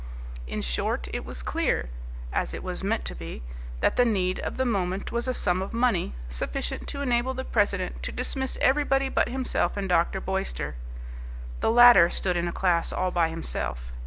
In short it was clear as it was meant to be that the need of the moment was a sum of money sufficient to enable the president to dismiss everybody but himself and Dr. Boyster. The latter stood in a class all by himself.